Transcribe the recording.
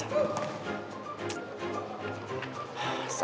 tapi kemampuan main volley nya luar biasa